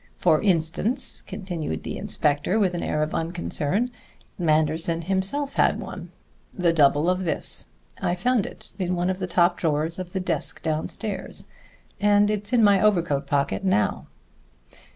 For instance," continued the inspector with an air of unconcern, "Manderson himself had one, the double of this. I found it in one of the top drawers of the desk downstairs, and it's in my overcoat pocket now."